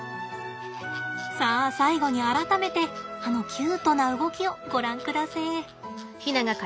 さあ最後に改めてあのキュートな動きをご覧くだせえ。